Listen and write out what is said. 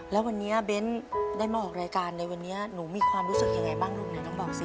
แล้ววันนี้เบ้นได้มาออกรายการในวันนี้หนูมีความรู้สึกยังไงบ้างลูกไหนต้องบอกสิ